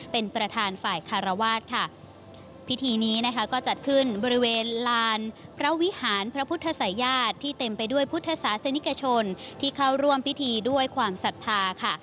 เป็นประธานฝ่ายคารวาสค่ะพิธีนี้นะคะก็จัดขึ้นบริเวณลานพระวิหารพระพุทธศัยญาติที่เต็มไปด้วยพุทธศาสนิกชนที่เข้าร่วมพิธีด้วยความศรัทธาค่ะ